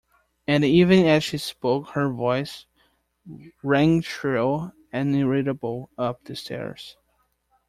And even as she spoke her voice rang shrill and irritable up the stairs.